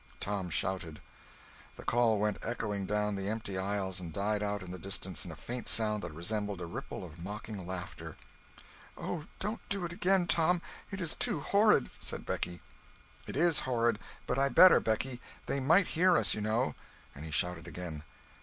Tom shouted. The call went echoing down the empty aisles and died out in the distance in a faint sound that resembled a ripple of mocking laughter. "Oh, don't do it again, Tom, it is too horrid," said Becky. "It is horrid, but I better, Becky; they might hear us, you know," and he shouted again.